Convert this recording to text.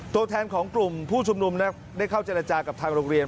ตัวแทนของกลุ่มผู้ชุมนุมได้เข้าเจรจากับทางโรงเรียน